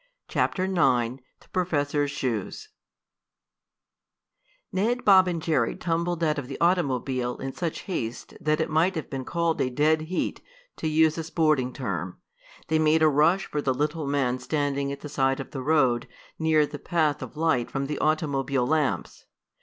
CHAPTER IX THE PROFESSOR'S SHOES Ned, Bob and Jerry tumbled out of the automobile in such haste that it might have been called a "dead heat," to use a sporting term. They made a rush for the little man standing at the side of the road near the path of light from the automobile lamps.